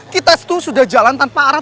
kita sudah jalan tanpa arah